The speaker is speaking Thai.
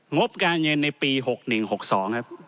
งบการเงินในปี๖๑๖๒ครับ